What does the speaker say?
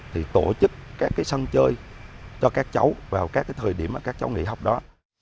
thì tổ chức các sân chơi cho các cháu vào các thời điểm các cháu nghỉ học đó